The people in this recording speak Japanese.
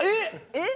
えっ！